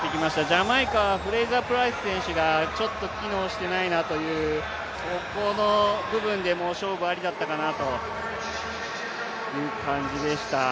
ジャマイカはフレイザープライス選手がちょっと機能してないなという、ここの部分で、もう勝負ありだったかなという感じでした。